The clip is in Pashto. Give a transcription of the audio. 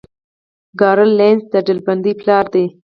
کارل لینس د ډلبندۍ پلار دی